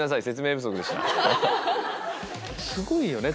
すごいよね